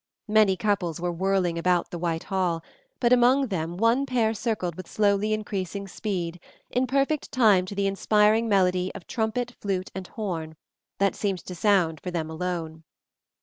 Many couples were whirling around the white hall, but among them one pair circled with slowly increasing speed, in perfect time to the inspiring melody of trumpet, flute, and horn, that seemed to sound for them alone.